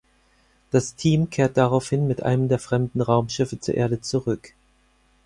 Das Team kehrt daraufhin mit einem der fremden Raumschiffe zur Erde zurück.